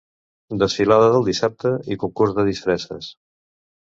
Desfilada del dissabte i concurs de disfresses.